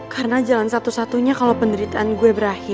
karena jalan satu satunya kalo penderitaan gue berakhir